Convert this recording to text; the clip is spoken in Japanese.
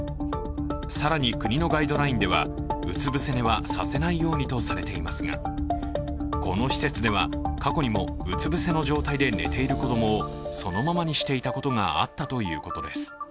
更に、国のガイドラインはうつぶせ寝はさせないようにとされていますが、この施設では過去にも、うつぶせの状態で寝ている子どもをそのままにしていたことがあったということです。